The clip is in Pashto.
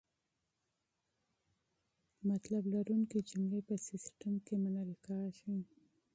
بامفهومه جملې په سیسټم کې منل کیږي.